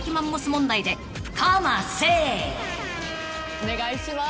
お願いします。